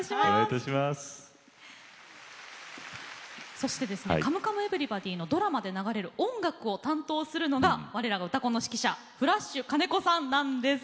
そしてですね「カムカムエヴリバディ」のドラマで流れる音楽を担当するのが我らが「うたコン」の指揮者フラッシュ金子さんなんです。